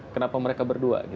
kenapa mereka berdua